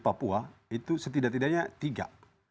papua itu setidak tidaknya tiga